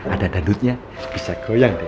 ada dangdutnya bisa goyang deh